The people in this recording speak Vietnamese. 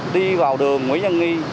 đi vào đường nguyễn nhân nghi